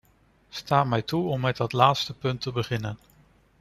Sta mij toe om met dat laatste punt te beginnen.